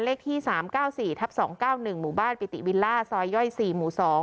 เลขที่๓๙๔ทับ๒๙๑หมู่บ้านปิติวิลล่าซอยย่อย๔หมู่๒